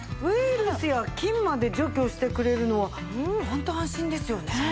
ウイルスや菌まで除去してくれるのはホント安心ですよね。